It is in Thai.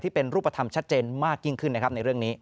ที่เป็นรูปภัณฑ์ชัดเจนมากยิ่งขึ้นในเรื่องนี้